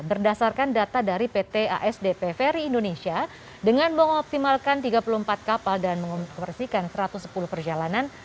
berdasarkan data dari pt asdp ferry indonesia dengan mengoptimalkan tiga puluh empat kapal dan mengoperasikan satu ratus sepuluh perjalanan